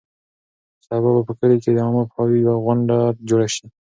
سبا به په کلي کې د عامه پوهاوي یوه غونډه جوړه شي.